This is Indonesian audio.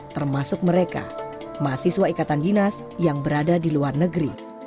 termasuk mereka mahasiswa ikatan dinas yang berada di luar negeri